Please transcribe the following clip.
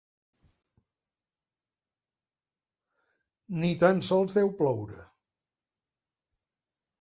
Ni tan sols deu ploure.